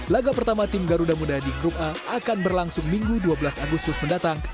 laga pertama tim garuda muda di grup a akan berlangsung minggu dua belas agustus mendatang